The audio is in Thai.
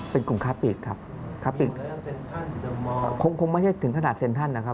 เป็นกลุ่มค้าปีกครับคลากคงคงไม่ใช่ถึงขนาดเซ็นทรัลนะครับ